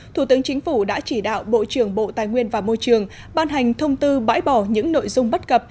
thủ tướng chính phủ đã chỉ đạo bộ trưởng bộ tài nguyên và môi trường ban hành thông tư bãi bỏ những nội dung bất cập